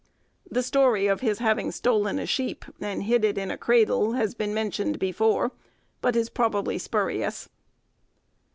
The story of his having stolen a sheep, and hid it in a cradle, has been mentioned before, but is probably spurious.